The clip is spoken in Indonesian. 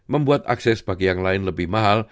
membuat akses bagi yang lain lebih mahal